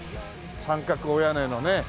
三角お屋根のね。